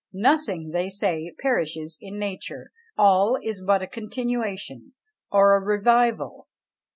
Nothing, they say, perishes in nature; all is but a continuation, or a revival.